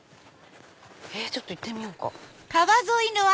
ちょっと行ってみようか。